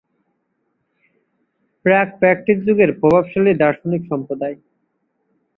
প্রাক সক্রেটিস যুগের প্রভাবশালী দার্শনিক সম্প্রদায়।